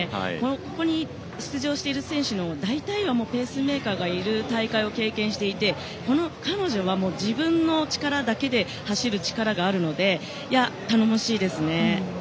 ここに出場している選手の大体はペースメーカーがいる大会を経験していて、彼女は自分の力だけで走る力があるので頼もしいですよね。